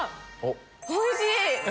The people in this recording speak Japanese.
おいしい！